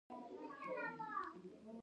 شریانونه څه کار کوي؟